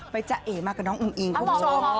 ไปจะไอมากับน้องอุ๊งอิงครั่วโชค